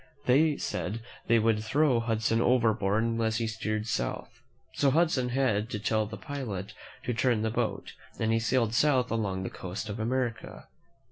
They said they would throw Hudson overboard unless he steered south; so Hudson had to tell the pilot to turn the boat, and he sailed south along the coast of America.